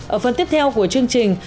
ở phần tiếp theo của chương trình